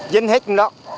vinh hết rồi đó